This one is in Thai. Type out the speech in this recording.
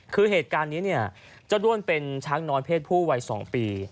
คือเหตุการณ์นี้เนี่ยเจ้าด้วนเป็นช้างน้อยเพศผู้วัย๒ปี